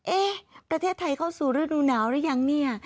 เอ๊ะประเทศไทยเข้าสู่ฤดูหนาวหรือยังเนี่ย